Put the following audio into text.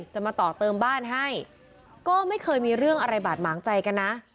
จะมาต่อเติมบ้านให้ก็ไม่เคยมีเรื่องอะไรบาดหมางใจกันนะ